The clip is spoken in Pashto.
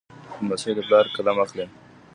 لمسی د پلار قلم اخلي.